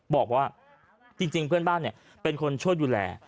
บอกว่าจริงเพื่อนบ้านเป็นคนช่วยดูแล